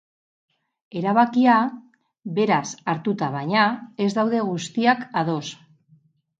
Erabakia, beraz hartuta baina, ez daude guztiak ados.